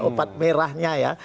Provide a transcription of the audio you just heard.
obat merahnya ya